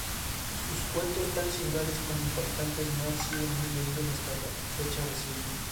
Sus cuentos, tan singulares como impactantes, no han sido muy leídos hasta fecha reciente.